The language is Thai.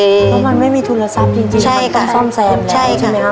เพราะมันไม่มีธุระทรัพย์จริงมันต้องซ่อมแซมแล้วใช่ไหมคะ